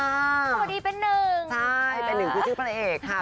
สวัสดีเป็นหนึ่งใช่เป็นหนึ่งคู่ชื่อพระเอกค่ะ